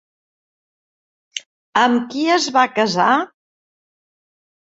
Amb qui es va casar?